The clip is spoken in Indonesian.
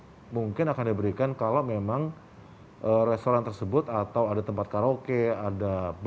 sanksi mungkin akan diberikan kalau memang restoran tersebut atau ada tempat karaoke ada bar tempat hibau